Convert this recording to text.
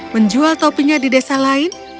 menjual topinya di desa lain